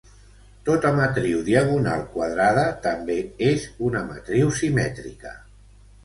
Tota matriu diagonal quadrada també és una matriu simètrica.